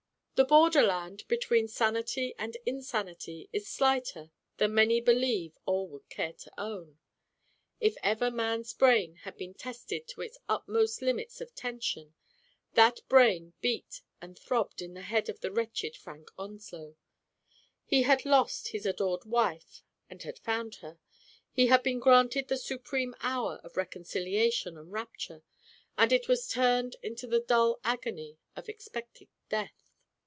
The borderland between sanity and insanity is slighter than many believe or would care to own. If ever man's brain had been tested to its utmost limits of tension, that brain beat and throbbed in Digitized by Google 222 THE PATE OF FEXELLA. the head of the wretched Frank Onslow. He had lost his adored wife and had found her ; he had been granted the supreme hour of reconcili ation and rapture, and it was turned into the dull agony of expected death.